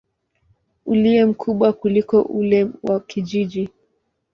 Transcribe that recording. ulio mkubwa kuliko ule wa kijiji.